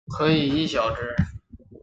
可以意晓之。